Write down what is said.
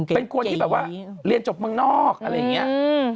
เป็นคนที่แบบว่าเรียนจบเมืองนอกอะไรอย่างนี้